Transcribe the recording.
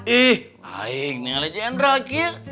ih baik nih oleh jendral ki